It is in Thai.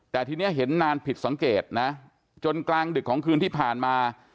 แต่ทีนี้เห็นนานผิดสังเกตนะจนกลางดึกของคืนที่ผ่านมา